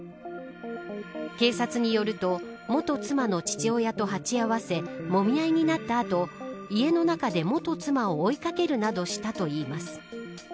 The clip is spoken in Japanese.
警察によると元妻の父親と鉢合わせもみ合いになった後家の中で元妻を追い掛けるなどしたといいます。